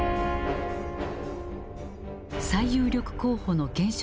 最有力候補の現職